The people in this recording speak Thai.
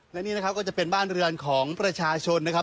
และนี่นะครับก็จะเป็นบ้านเรือนของประชาชนนะครับ